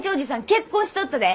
結婚しとったで。